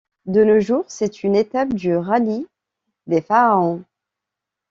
De nos jours, c'est une étape du rallye des Pharaons.